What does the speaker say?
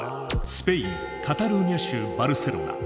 スペインカタルーニャ州バルセロナ。